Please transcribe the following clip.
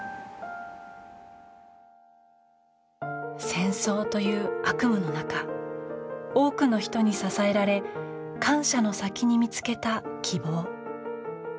戦争という悪夢の中多くの人に支えられ感謝の先に見つけた希望。